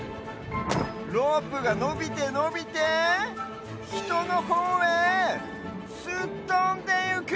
ロープがのびてのびてひとのほうへすっとんでゆく！